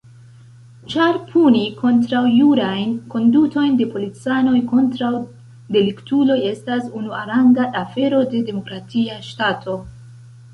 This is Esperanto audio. Ĉar puni kontraŭjurajn kondutojn de policanoj kontraŭ deliktuloj estas unuaranga afero de demokratia ŝtato.